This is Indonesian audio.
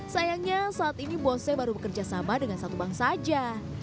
sayangnya saat ini bose baru bekerja sama dengan satu bank saja